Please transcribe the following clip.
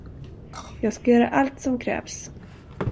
Jag ska göra allt som krävs.